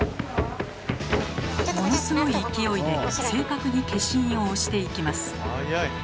ものすごい勢いで正確に消印を押していきます。